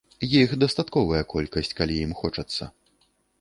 Іх дастатковая колькасць, калі ім хочацца.